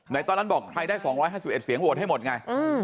ตอนนั้นบอกใครได้๒๕๑เสียงโหวตให้หมดไง